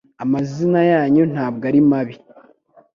Amazina yanyu ntabwo ari mabi